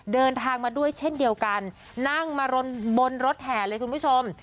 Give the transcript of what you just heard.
เดินทางมาด้วยเช่นเดียวกันนั่งมาบนรถแห่เลยคุณผู้ชม